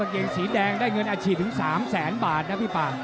เกงสีแดงได้เงินอาชีพถึง๓แสนบาทนะพี่ป่า